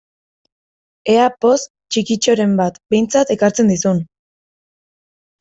Ea poz txikitxoren bat behintzat ekartzen dizun!